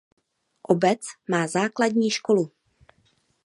Obec má základní školu.